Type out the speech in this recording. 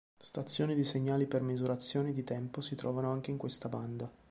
Stazioni di segnali per misurazioni di tempo si trovano anche in questa banda.